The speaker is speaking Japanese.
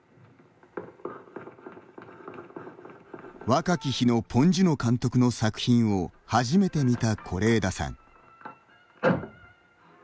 若き日のポン・ジュノ監督の作品を、初めて見た是枝さん。